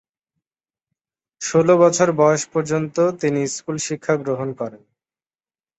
ষোল বছর বয়স পর্যন্ত তিনি স্কুল শিক্ষা গ্রহণ করেন।